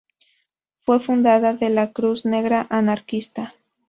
Fue fundadora de la Cruz Negra Anarquista.